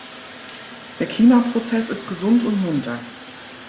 Der Klimaprozess ist gesund und munter.